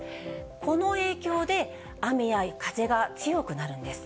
この影響で雨や風が強くなるんです。